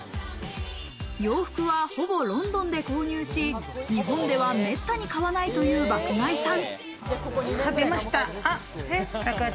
洋服はほぼロンドンで購入し、日本ではめったに買わないという爆買いさん。